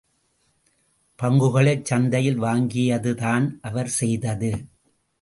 பங்குகளைச் சந்தையில் வாங்கியதுதான் அவர் செய்தது!